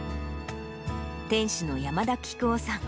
店主の山田喜久男さん。